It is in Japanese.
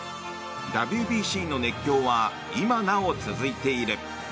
ＷＢＣの熱狂は今なお続いている。